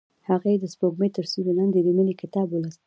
هغې د سپوږمۍ تر سیوري لاندې د مینې کتاب ولوست.